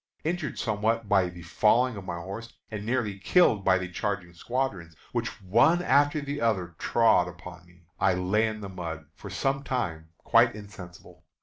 Injured somewhat by the falling of my horse, and nearly killed by the charging squadrons, which one after the other trod upon me, I lay in the mud for some time quite insensible.